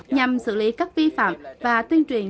nhằm xử lý các vi phạm và tuyên truyền